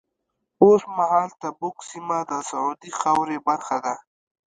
اوس مهال تبوک سیمه د سعودي خاورې برخه ده.